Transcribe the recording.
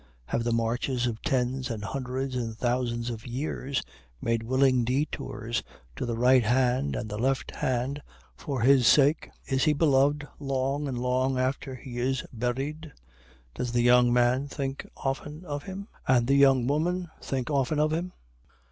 Have the marches of tens and hundreds and thousands of years made willing detours to the right hand and the left hand for his sake? Is he beloved long and long after he is buried? Does the young man think often of him? and the young woman think often of him?